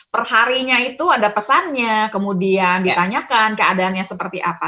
perharinya itu ada pesannya kemudian ditanyakan keadaannya seperti apa